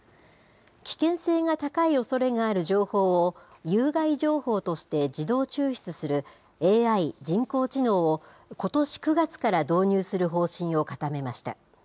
危険性が高いおそれがある情報を有害情報として自動抽出するＡＩ・人工知能を、ことし９月から導入する方針を固めました。